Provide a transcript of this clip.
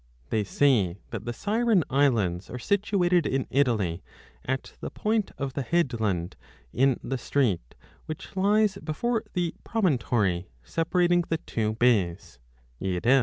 They say that the Siren islands are situated in Italy at 10; the point of the headland in the strait, which lies before 30 the promontory 5 separating the two bays, 6 i.